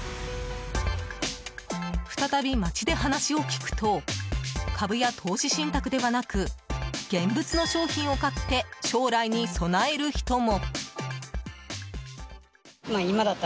再び街で話を聞くと株や投資信託ではなく現物の商品を買って将来に備える人も。